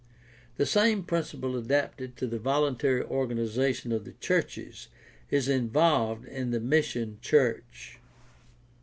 The same principle adapted to the volun tary organization of the churches is involved in the mission church.